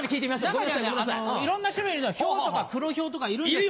中にはいろんな種類のヒョウとかクロヒョウとかいるんですけど。